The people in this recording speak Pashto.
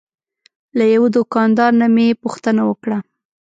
له یوه دوکاندار نه مې پوښتنه وکړه.